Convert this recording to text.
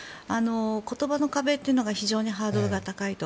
言葉の壁というのが非常にハードルが高いと。